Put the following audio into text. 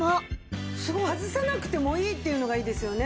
外さなくてもいいっていうのがいいですよね。